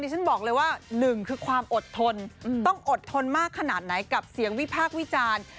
ฉันบอกเลยว่าหนึ่งคือความอดทนต้องอดทนมากขนาดไหนกับเสียงวิพากษ์วิจารณ์